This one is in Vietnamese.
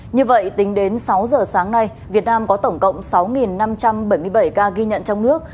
như vậy tính đến sáu giờ sáng nay việt nam có tổng cộng sáu năm trăm bảy mươi bảy ca ghi nhận trong nước